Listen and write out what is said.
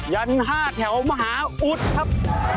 ยัน๕แถวมหาอุดครับ